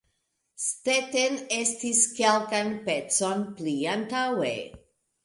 Stetten estis kelkan pecon pli antaŭe.